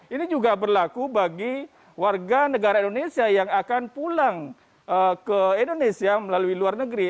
ini juga berlaku bagi warga negara indonesia yang akan pulang ke indonesia melalui luar negeri